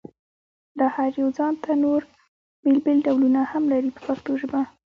دا هر یو ځانته نور بېل بېل ډولونه هم لري په پښتو ژبه.